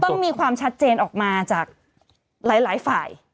ต้องมีความชัดเจนออกมาจากหลายฝ่าย